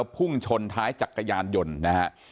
พุ่งชนท้ายจักรยานยนต์นะฮะ